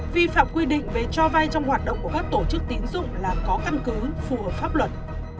vi phạm quy định về cho vay trong hoạt động của các tổ chức tín dụng là có căn cứ phù hợp pháp luật